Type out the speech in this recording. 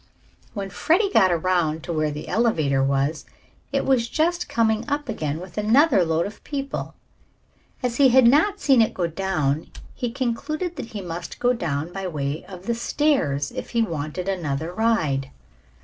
When Freddie got around to where the elevator was, it was just coming up again with another load of people. As he had not seen it go down he concluded that he must go down by way of the stairs if he wanted another ride.